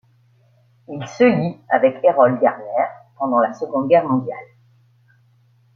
Il se lie avec Erroll Garner pendant la seconde guerre mondiale.